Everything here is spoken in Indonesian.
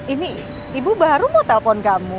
ini ibu baru mau telpon kamu